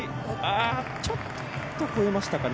ちょっと越えましたかね。